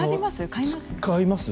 買います。